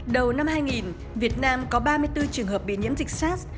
đầu năm hai nghìn việt nam có ba mươi bốn trường hợp bị nhiễm dịch sars